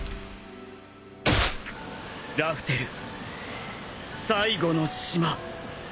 ラフテル最後の島。